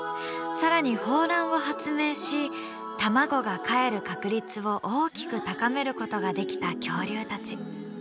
更に抱卵を発明し卵がかえる確率を大きく高めることができた恐竜たち。